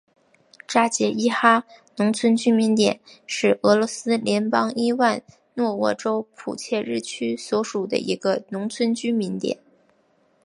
扎捷伊哈农村居民点是俄罗斯联邦伊万诺沃州普切日区所属的一个农村居民点。